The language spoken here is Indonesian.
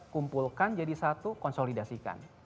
kumpulkan jadi satu konsolidasikan